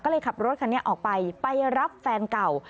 ก็เลยขับรถคันนี้ออกไปไปรับแฟนเก่า